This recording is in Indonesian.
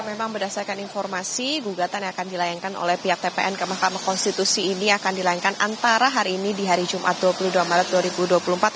memang berdasarkan informasi gugatan yang akan dilayangkan oleh pihak tpn ke mahkamah konstitusi ini akan dilayangkan antara hari ini di hari jumat dua puluh dua maret dua ribu dua puluh empat